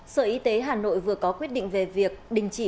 sở y tế hà nội vừa có quyết định về việc đình chỉ